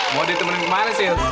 mau ditemenin ke mana sir